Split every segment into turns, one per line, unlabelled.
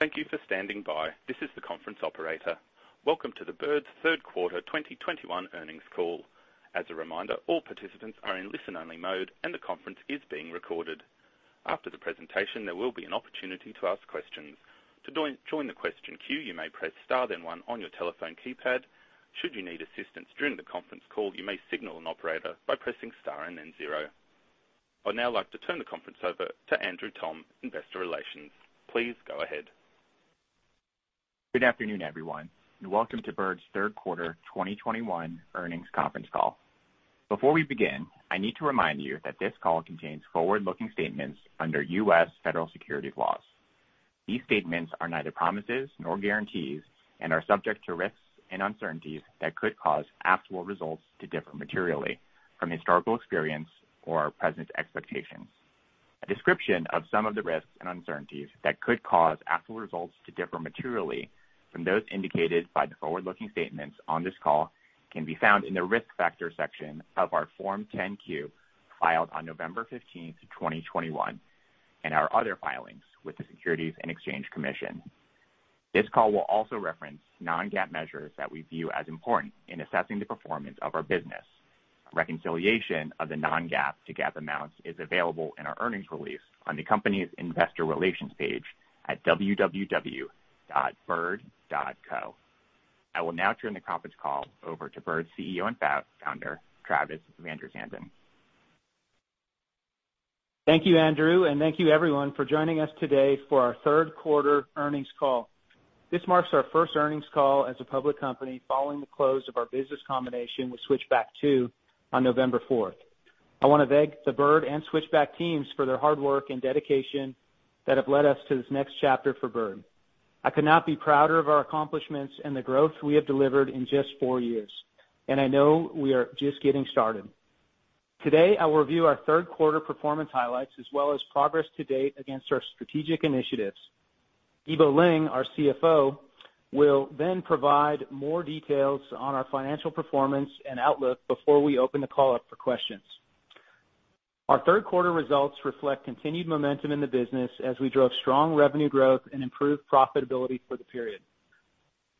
Thank you for standing by. This is the conference operator. Welcome to Bird's third quarter 2021 earnings call. As a reminder, all participants are in listen-only mode, and the conference is being recorded. After the presentation, there will be an opportunity to ask questions. To join the question queue, you may press star one on your telephone keypad. Should you need assistance during the conference call, you may signal an operator by pressing star and then zero. I'd now like to turn the conference over to Andrew Tom, Investor Relations. Please go ahead.
Good afternoon, everyone, and welcome to Bird's Q3 2021 earnings conference call. Before we begin, I need to remind you that this call contains forward-looking statements under U.S. federal securities laws. These statements are neither promises nor guarantees and are subject to risks and uncertainties that could cause actual results to differ materially from historical experience or present expectations. A description of some of the risks and uncertainties that could cause actual results to differ materially from those indicated by the forward-looking statements on this call can be found in the Risk Factor section of our Form 10-Q, filed on November 15, 2021, and our other filings with the Securities and Exchange Commission. This call will also reference non-GAAP measures that we view as important in assessing the performance of our business. Reconciliation of the non-GAAP to GAAP amounts is available in our earnings release on the company's investor relations page at www.bird.co. I will now turn the conference call over to Bird's CEO and co-founder, Travis VanderZanden.
Thank you, Andrew, and thank you everyone for joining us today for our third quarter earnings call. This marks our first earnings call as a public company following the close of our business combination with Switchback II on November fourth. I wanna thank the Bird and Switchback teams for their hard work and dedication that have led us to this next chapter for Bird. I could not be prouder of our accomplishments and the growth we have delivered in just four years, and I know we are just getting started. Today, I will review our third quarter performance highlights as well as progress to date against our strategic initiatives. Yibo Ling, our CFO, will then provide more details on our financial performance and outlook before we open the call up for questions. Our third quarter results reflect continued momentum in the business as we drove strong revenue growth and improved profitability for the period.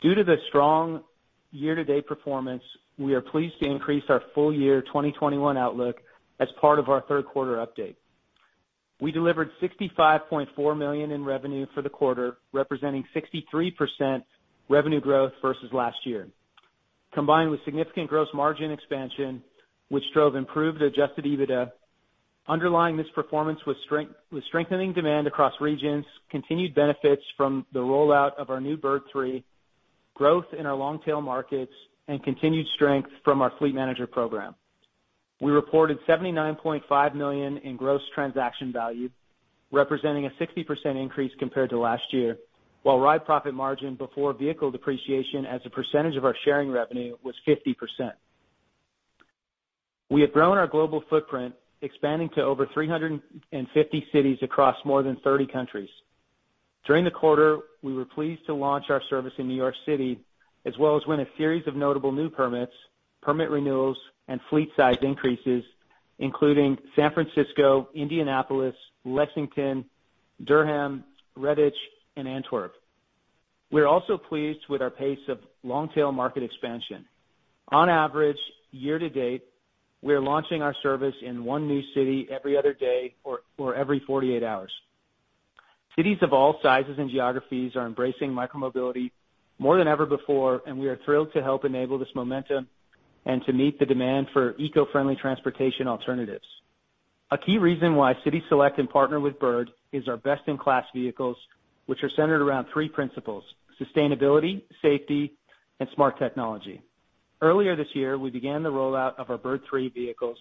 Due to the strong year-to-date performance, we are pleased to increase our full year 2021 outlook as part of our third quarter update. We delivered $65.4 million in revenue for the quarter, representing 63% revenue growth versus last year. Combined with significant gross margin expansion, which drove improved adjusted EBITDA. Underlying this performance was strengthening demand across regions, continued benefits from the rollout of our new Bird Three, growth in our long-tail markets, and continued strength from our fleet manager program. We reported $79.5 million in gross transaction value, representing a 60% increase compared to last year, while ride profit margin before vehicle depreciation as a percentage of our sharing revenue was 50%. We have grown our global footprint, expanding to over 350 cities across more than 30 countries. During the quarter, we were pleased to launch our service in New York City, as well as win a series of notable new permits, permit renewals, and fleet size increases, including San Francisco, Indianapolis, Lexington, Durham, Redditch, and Antwerp. We are also pleased with our pace of long-tail market expansion. On average, year-to-date, we are launching our service in one new city every other day or every 48 hours. Cities of all sizes and geographies are embracing micromobility more than ever before, and we are thrilled to help enable this momentum and to meet the demand for eco-friendly transportation alternatives. A key reason why cities select and partner with Bird is our best-in-class vehicles, which are centered around three principles, sustainability, safety, and smart technology. Earlier this year, we began the rollout of our Bird Three vehicles,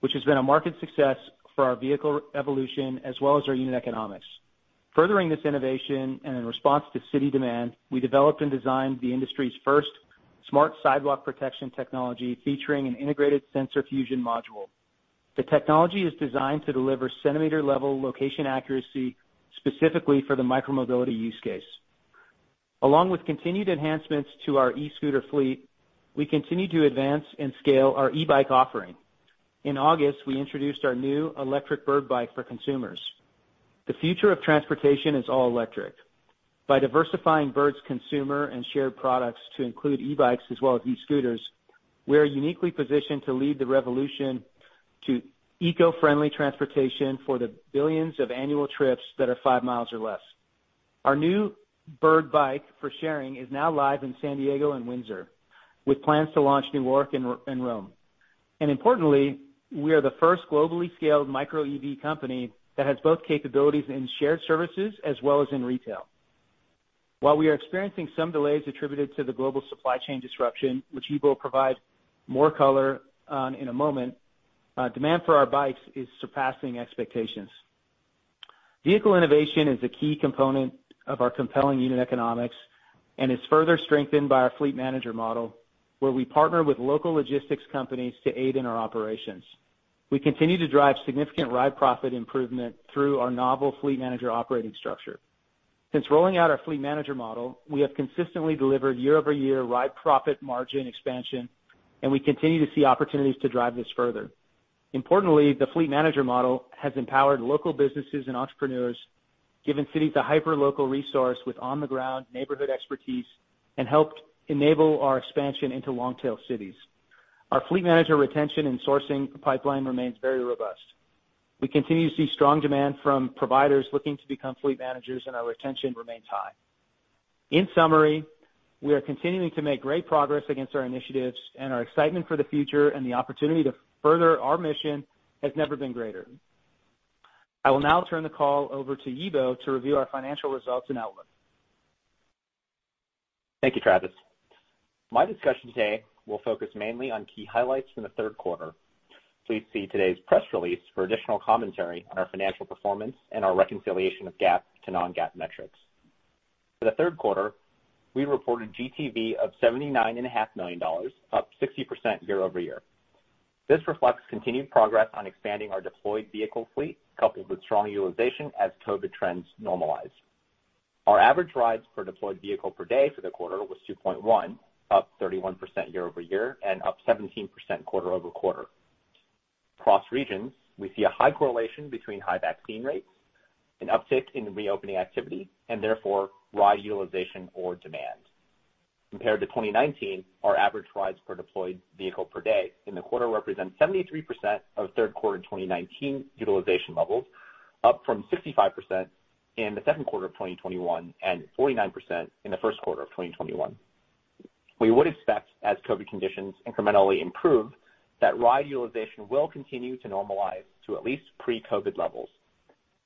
which has been a market success for our vehicle evolution as well as our unit economics. Furthering this innovation and in response to city demand, we developed and designed the industry's first smart sidewalk protection technology, featuring an integrated sensor fusion module. The technology is designed to deliver centimeter-level location accuracy, specifically for the micromobility use case. Along with continued enhancements to our e-scooter fleet, we continue to advance and scale our e-bike offering. In August, we introduced our new electric Bird Bike for consumers. The future of transportation is all electric. By diversifying Bird's consumer and shared products to include e-bikes as well as e-scooters, we are uniquely positioned to lead the revolution to eco-friendly transportation for the billions of annual trips that are five miles or less. Our new Bird Bike for sharing is now live in San Diego and Windsor, with plans to launch New York and Rome. Importantly, we are the first globally scaled Micro EV company that has both capabilities in shared services as well as in retail. While we are experiencing some delays attributed to the global supply chain disruption, which Yibo will provide more color on in a moment, demand for our bikes is surpassing expectations. Vehicle innovation is a key component of our compelling unit economics and is further strengthened by our fleet manager model, where we partner with local logistics companies to aid in our operations. We continue to drive significant ride profit improvement through our novel fleet manager operating structure. Since rolling out our fleet manager model, we have consistently delivered year-over-year ride profit margin expansion, and we continue to see opportunities to drive this further. Importantly, the fleet manager model has empowered local businesses and entrepreneurs, given cities a hyper-local resource with on-the-ground neighborhood expertise, and helped enable our expansion into long-tail cities. Our fleet manager retention and sourcing pipeline remains very robust. We continue to see strong demand from providers looking to become fleet managers, and our retention remains high. In summary, we are continuing to make great progress against our initiatives, and our excitement for the future and the opportunity to further our mission has never been greater. I will now turn the call over to Yibo to review our financial results and outlook.
Thank you, Travis. My discussion today will focus mainly on key highlights from the third quarter. Please see today's press release for additional commentary on our financial performance and our reconciliation of GAAP to non-GAAP metrics. For the third quarter, we reported GTV of $79.5 million, up 60% year-over-year. This reflects continued progress on expanding our deployed vehicle fleet, coupled with strong utilization as COVID trends normalize. Our average rides per deployed vehicle per day for the quarter was 2.1, up 31% year-over-year and up 17% quarter-over-quarter. Across regions, we see a high correlation between high vaccine rates, an uptick in the reopening activity, and therefore ride utilization or demand. Compared to 2019, our average rides per deployed vehicle per day in the quarter represent 73% of third quarter in 2019 utilization levels, up from 65% in the second quarter of 2021 and 49% in the first quarter of 2021. We would expect, as COVID conditions incrementally improve, that ride utilization will continue to normalize to at least pre-COVID levels.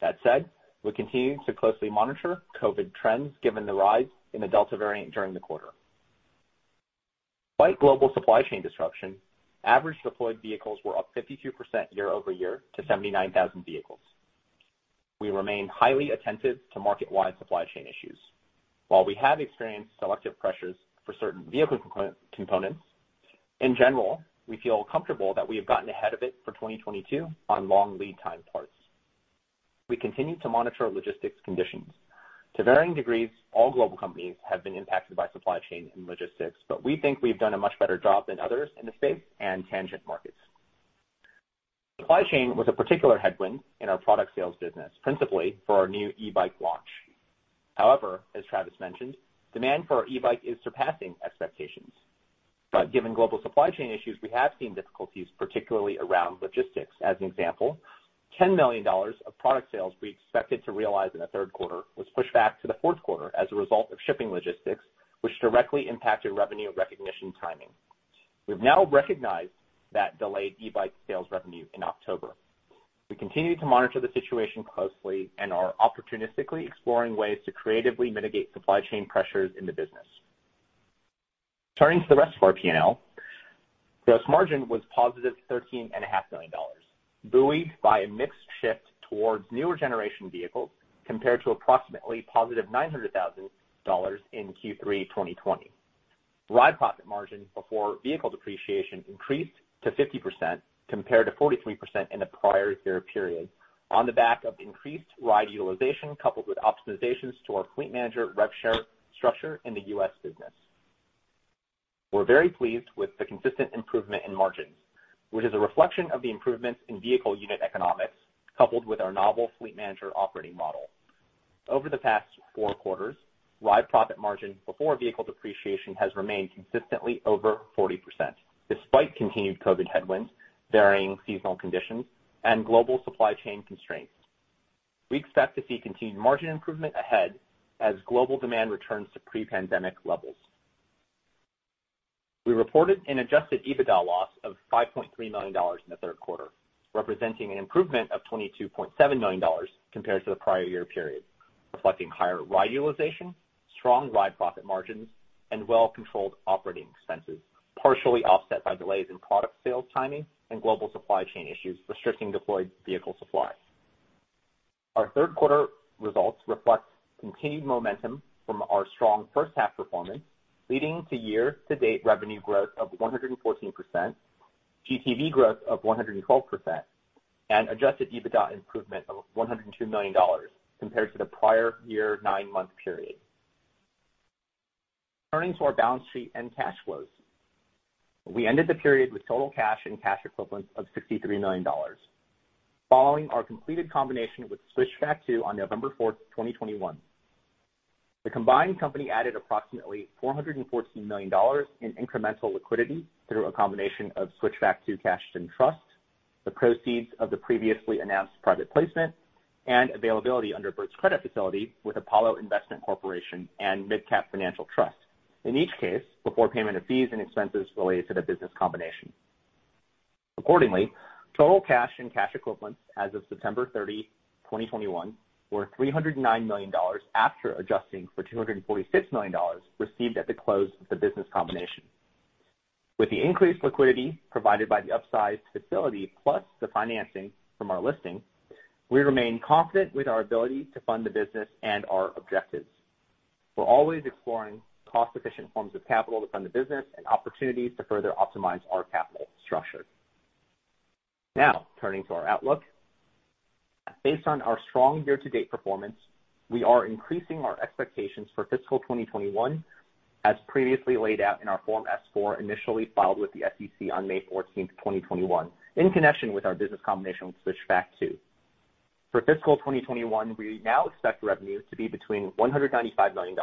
That said, we're continuing to closely monitor COVID trends given the rise in the Delta variant during the quarter. Despite global supply chain disruption, average deployed vehicles were up 52% year-over-year to 79,000 vehicles. We remain highly attentive to market-wide supply chain issues. While we have experienced selective pressures for certain vehicle components, in general, we feel comfortable that we have gotten ahead of it for 2022 on long lead time parts. We continue to monitor logistics conditions. To varying degrees, all global companies have been impacted by supply chain and logistics, but we think we've done a much better job than others in the space and adjacent markets. Supply chain was a particular headwind in our product sales business, principally for our new e-bike launch. However, as Travis mentioned, demand for our e-bike is surpassing expectations. Given global supply chain issues, we have seen difficulties, particularly around logistics. As an example, $10 million of product sales we expected to realize in the third quarter was pushed back to the fourth quarter as a result of shipping logistics, which directly impacted revenue recognition timing. We've now recognized that delayed e-bike sales revenue in October. We continue to monitor the situation closely and are opportunistically exploring ways to creatively mitigate supply chain pressures in the business. Turning to the rest of our P&L, gross margin was positive $13.5 million, buoyed by a mixed shift towards newer generation vehicles compared to approximately positive $900,000 in Q3 2020. Ride profit margin before vehicle depreciation increased to 50% compared to 43% in the prior year period on the back of increased ride utilization coupled with optimizations to our fleet manager rev share structure in the U.S. business. We're very pleased with the consistent improvement in margins, which is a reflection of the improvements in vehicle unit economics, coupled with our novel fleet manager operating model. Over the past four quarters, ride profit margin before vehicle depreciation has remained consistently over 40%, despite continued COVID headwinds, varying seasonal conditions, and global supply chain constraints. We expect to see continued margin improvement ahead as global demand returns to pre-pandemic levels. We reported an adjusted EBITDA loss of $5.3 million in the third quarter, representing an improvement of $22.7 million compared to the prior year period, reflecting higher ride utilization, strong ride profit margins, and well-controlled operating expenses, partially offset by delays in product sales timing and global supply chain issues restricting deployed vehicle supply. Our third quarter results reflect continued momentum from our strong first half performance, leading to year-to-date revenue growth of 114%, GTV growth of 112%, and adjusted EBITDA improvement of $102 million compared to the prior year nine-month period. Turning to our balance sheet and cash flows. We ended the period with total cash and cash equivalents of $63 million. Following our completed combination with Switchback II on November 4, 2021. The combined company added approximately $414 million in incremental liquidity through a combination of Switchback II cash and trust, the proceeds of the previously announced private placement, and availability under Bird's credit facility with Apollo Investment Corporation and MidCap Financial Trust, in each case before payment of fees and expenses related to the business combination. Accordingly, total cash and cash equivalents as of September 30, 2021, were $309 million after adjusting for $246 million received at the close of the business combination. With the increased liquidity provided by the upsized facility, plus the financing from our listing, we remain confident with our ability to fund the business and our objectives. We're always exploring cost-efficient forms of capital to fund the business and opportunities to further optimize our capital structure. Now, turning to our outlook. Based on our strong year-to-date performance, we are increasing our expectations for fiscal 2021 as previously laid out in our Form S-4 initially filed with the SEC on May 14, 2021, in connection with our business combination with Switchback II. For fiscal 2021, we now expect revenue to be between $195 million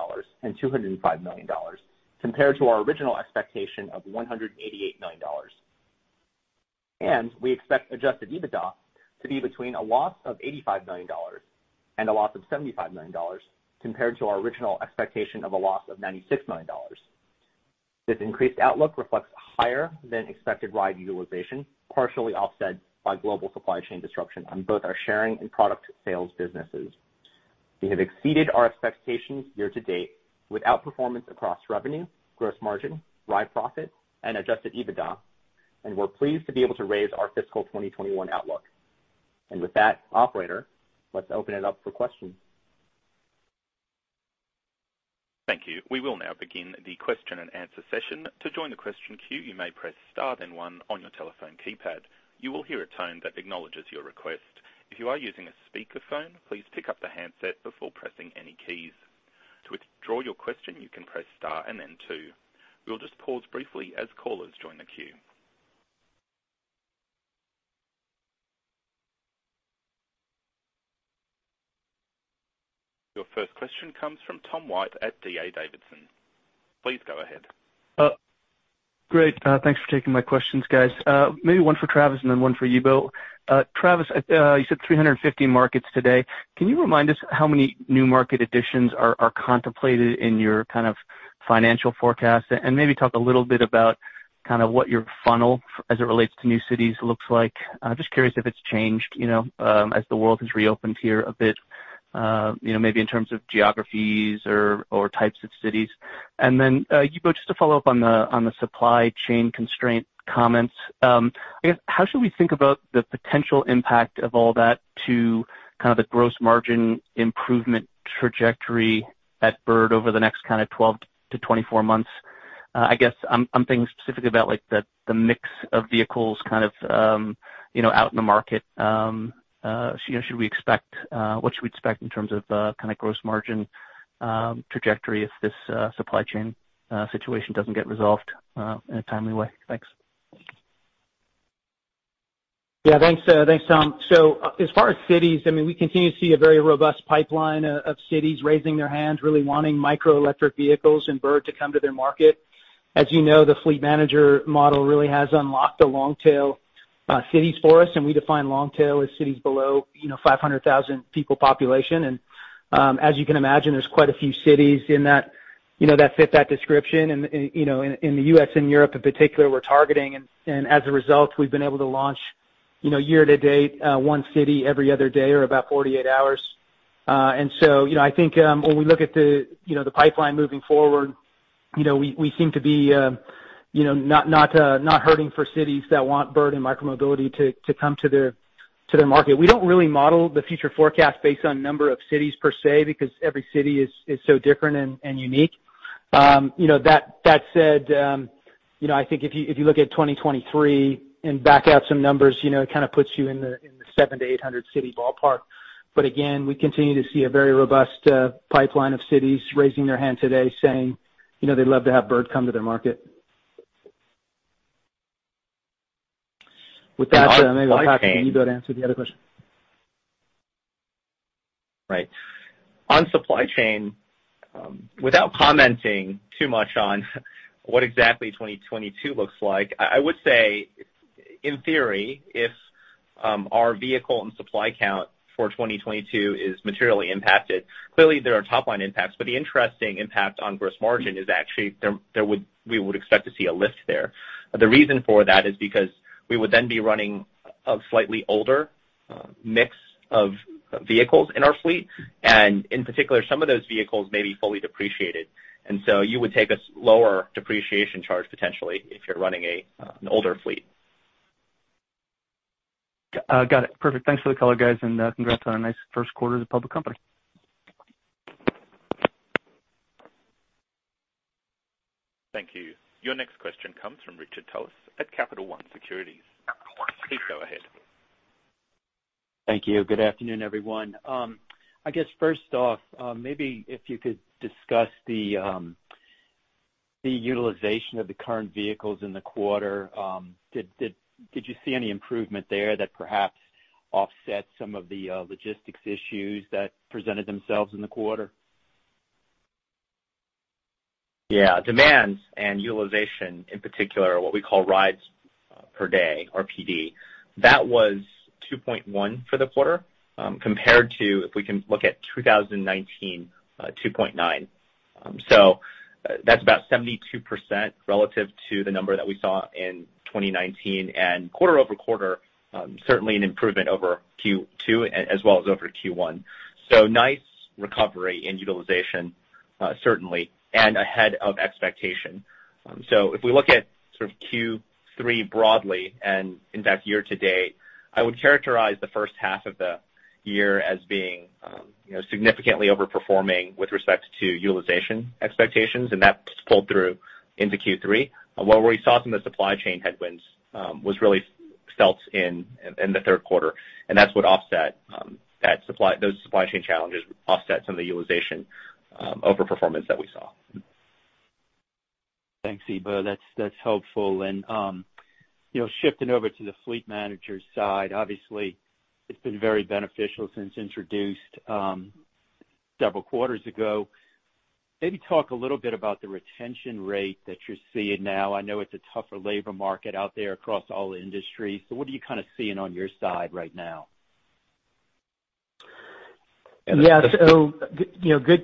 and $205 million compared to our original expectation of $188 million. We expect Adjusted EBITDA to be between a loss of $85 million and a loss of $75 million compared to our original expectation of a loss of $96 million. This increased outlook reflects higher than expected ride utilization, partially offset by global supply chain disruption on both our sharing and product sales businesses. We have exceeded our expectations year-to-date with outperformance across revenue, gross margin, ride profit, and Adjusted EBITDA, and we're pleased to be able to raise our fiscal 2021 outlook. With that, operator, let's open it up for questions.
Thank you. We will now begin the question-and-answer session. To join the question queue, you may press star then one on your telephone keypad. You will hear a tone that acknowledges your request. If you are using a speakerphone, please pick up the handset before pressing any keys. To withdraw your question, you can press star and then two. We will just pause briefly as callers join the queue. Your first question comes from Tom White at D.A. Davidson. Please go ahead.
Great. Thanks for taking my questions, guys. Maybe one for Travis and then one for you, Yibo. Travis, you said 350 markets today. Can you remind us how many new market additions are contemplated in your kind of financial forecast? And maybe talk a little bit about kind of what your funnel as it relates to new cities looks like. Just curious if it's changed, you know, as the world has reopened here a bit, you know, maybe in terms of geographies or types of cities. And then, you know, just to follow up on the supply chain constraint comments. I guess, how should we think about the potential impact of all that to kind of the gross margin improvement trajectory at Bird over the next kind of 12-24 months? I guess I'm thinking specifically about like the mix of vehicles kind of you know out in the market. You know, what should we expect in terms of kind of gross margin trajectory if this supply chain situation doesn't get resolved in a timely way? Thanks.
Yeah. Thanks, Tom. So as far as cities, I mean, we continue to see a very robust pipeline of cities raising their hands, really wanting micro electric vehicles and Bird to come to their market. As you know, the fleet manager model really has unlocked the long tail cities for us, and we define long tail as cities below, you know, 500,000 people population. As you can imagine, there's quite a few cities in that, you know, that fit that description. You know, in the U.S. and Europe in particular, we're targeting. As a result, we've been able to launch, you know, year-to-date, one city every other day or about 48 hours. You know, I think when we look at the pipeline moving forward, you know, we seem to be not hurting for cities that want Bird and micromobility to come to their market. We don't really model the future forecast based on number of cities per se because every city is so different and unique. You know, that said, you know, I think if you look at 2023 and back out some numbers, you know, it kinda puts you in the 700-800 city ballpark. We continue to see a very robust pipeline of cities raising their hand today saying, you know, they'd love to have Bird come to their market. With that, maybe, Yibo, can you go to answer the other question?
Right. On supply chain, without commenting too much on what exactly 2022 looks like, I would say in theory, if our vehicle and supply count for 2022 is materially impacted, clearly there are top line impacts. The interesting impact on gross margin is actually there. We would expect to see a lift there. The reason for that is because we would then be running a slightly older mix of vehicles in our fleet, and in particular, some of those vehicles may be fully depreciated. You would take a lower depreciation charge potentially if you're running an older fleet.
Got it. Perfect. Thanks for the color, guys, and congrats on a nice first quarter as a public company.
Thank you. Your next question comes from Richard Toles at Capital One Securities. Please go ahead.
Thank you. Good afternoon, everyone. I guess first off, maybe if you could discuss the utilization of the current vehicles in the quarter. Did you see any improvement there that perhaps offset some of the logistics issues that presented themselves in the quarter?
Yeah. Demand and utilization, in particular, what we call rides per day, RPD, that was 2.1 for the quarter, compared to, if we can look at 2019, 2.9. That's about 72% relative to the number that we saw in 2019. Quarter-over-quarter, certainly an improvement over Q2 as well as over Q1. Nice recovery in utilization, certainly, and ahead of expectation. If we look at sort of Q3 broadly and in that year-to-date, I would characterize the first half of the year as being, you know, significantly overperforming with respect to utilization expectations, and that pulled through into Q3. What we saw from the supply chain headwinds was really felt in the third quarter, and that's what offset that supply. Those supply chain challenges offset some of the utilization, overperformance that we saw.
Thanks, Yibo. That's helpful. You know, shifting over to the fleet manager side, obviously it's been very beneficial since introduced several quarters ago. Maybe talk a little bit about the retention rate that you're seeing now. I know it's a tougher labor market out there across all industries, so what are you kind of seeing on your side right now?
Yeah. You know,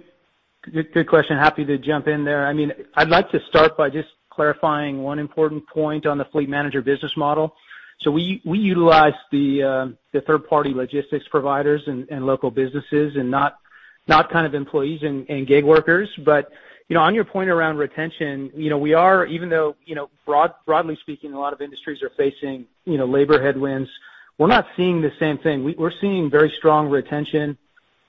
good question. Happy to jump in there. I mean, I'd like to start by just clarifying one important point on the fleet manager business model. We utilize the third-party logistics providers and local businesses and not kind of employees and gig workers. You know, on your point around retention, you know, we are even though, you know, broadly speaking, a lot of industries are facing, you know, labor headwinds, we're not seeing the same thing. We're seeing very strong retention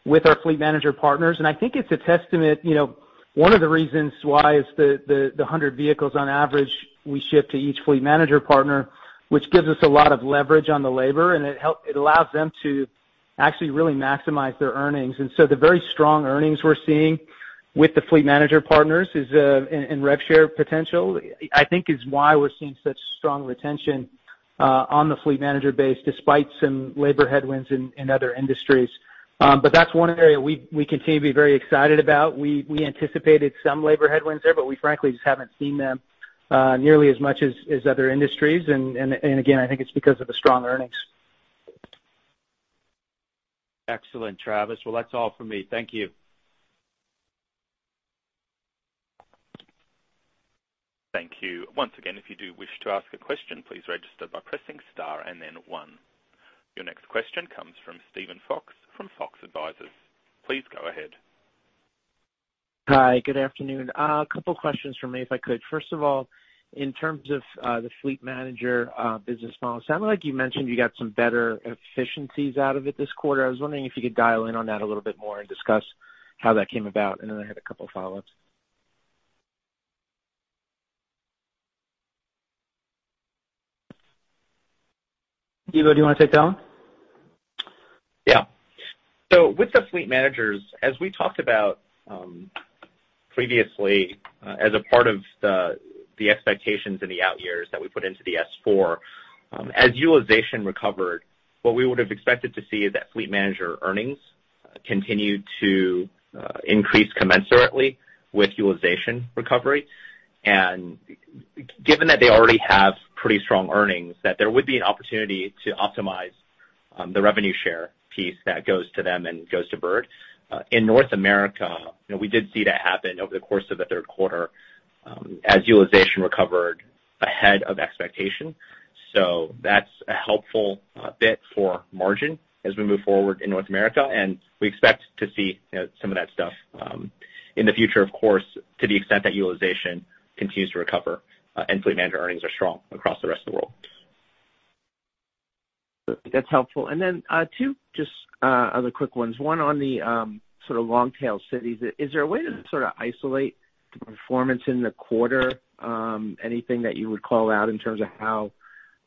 with our fleet manager partners, and I think it's a testament, you know, one of the reasons why is the 100 vehicles on average we ship to each fleet manager partner, which gives us a lot of leverage on the labor and it allows them to actually really maximize their earnings. The very strong earnings we're seeing with the fleet manager partners is, and rev share potential, I think is why we're seeing such strong retention, on the fleet manager base, despite some labor headwinds in other industries. That's one area we continue to be very excited about. We anticipated some labor headwinds there, but we frankly just haven't seen them, nearly as much as other industries. Again, I think it's because of the strong earnings.
Excellent, Travis. Well, that's all for me. Thank you.
Thank you. Once again, if you do wish to ask a question, please register by pressing star and then one. Your next question comes from Steven Fox from Fox Advisors. Please go ahead.
Hi. Good afternoon. A couple questions from me, if I could. First of all, in terms of the fleet manager business model, it sounded like you mentioned you got some better efficiencies out of it this quarter. I was wondering if you could dial in on that a little bit more and discuss how that came about, and then I had a couple of follow-ups.
Yibo, do you wanna take that one?
Yeah. With the fleet managers, as we talked about, previously, as a part of the expectations in the out years that we put into the S4, as utilization recovered, what we would have expected to see is that fleet manager earnings continue to increase commensurately with utilization recovery. Given that they already have pretty strong earnings, that there would be an opportunity to optimize the revenue share piece that goes to them and goes to Bird. In North America, you know, we did see that happen over the course of the third quarter, as utilization recovered ahead of expectation. That's a helpful bit for margin as we move forward in North America, and we expect to see, you know, some of that stuff in the future, of course, to the extent that utilization continues to recover and fleet manager earnings are strong across the rest of the world.
That's helpful. Then two just other quick ones. One on the sort of long tail cities. Is there a way to sort of isolate the performance in the quarter, anything that you would call out in terms of how,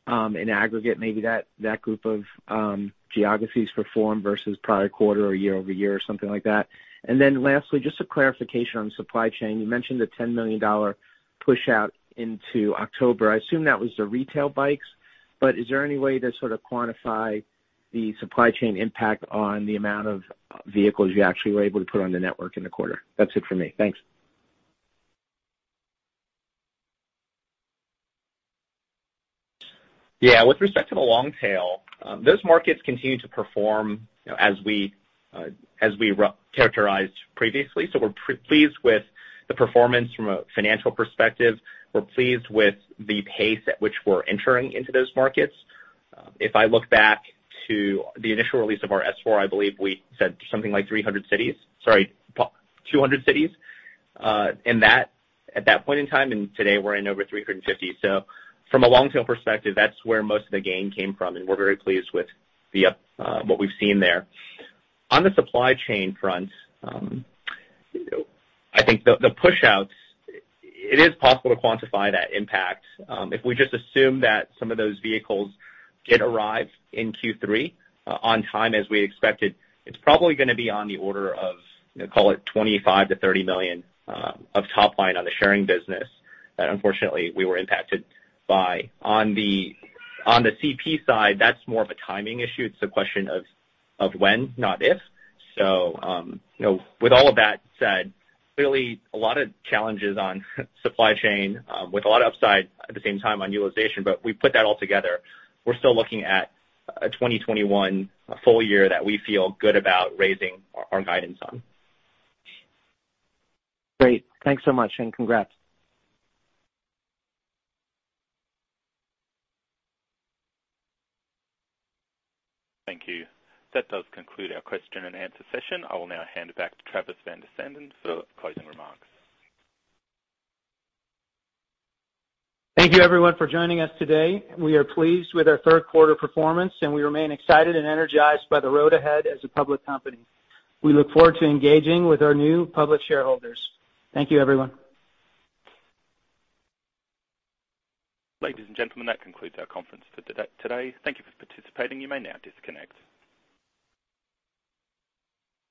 in aggregate, maybe that group of geographies perform versus prior quarter or year-over-year or something like that? Then lastly, just a clarification on supply chain. You mentioned the $10 million push out into October. I assume that was the retail bikes, but is there any way to sort of quantify the supply chain impact on the amount of vehicles you actually were able to put on the network in the quarter? That's it for me. Thanks.
Yeah. With respect to the long tail, those markets continue to perform, you know, as we characterized previously. We're pretty pleased with the performance from a financial perspective. We're pleased with the pace at which we're entering into those markets. If I look back to the initial release of our S4, I believe we said something like 300 cities, sorry, 200 cities at that point in time, and today we're in over 350 cities. From a long tail perspective, that's where most of the gain came from, and we're very pleased with what we've seen there. On the supply chain front, I think the push outs, it is possible to quantify that impact. If we just assume that some of those vehicles did arrive in Q3 on time as we expected, it's probably gonna be on the order of, you know, call it $25 million-$30 million of top line on the sharing business that unfortunately we were impacted by. On the CP side, that's more of a timing issue. It's a question of when, not if. You know, with all of that said, clearly a lot of challenges on supply chain, with a lot of upside at the same time on utilization. We put that all together, we're still looking at a 2021 full year that we feel good about raising our guidance on.
Great. Thanks so much and congrats.
Thank you. That does conclude our question and answer session. I will now hand it back to Travis VanderZanden for closing remarks.
Thank you everyone for joining us today. We are pleased with our third quarter performance, and we remain excited and energized by the road ahead as a public company. We look forward to engaging with our new public shareholders. Thank you, everyone.
Ladies and gentlemen, that concludes our conference for today. Thank you for participating. You may now disconnect.